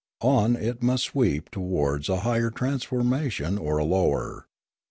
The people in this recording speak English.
On it must sweep towards a higher transformation or a lower.